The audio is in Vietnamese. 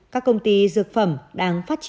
các công ty dược phẩm đang phát triển